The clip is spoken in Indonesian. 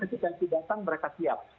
tapi nanti datang mereka siap